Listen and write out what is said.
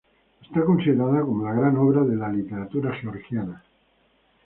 Está considerada como la gran obra de la literatura georgiana.